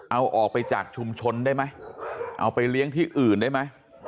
เอาออกไปจากชุมชนได้ไหมเอาไปเลี้ยงที่อื่นได้ไหม